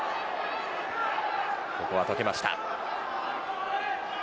ここは解けました。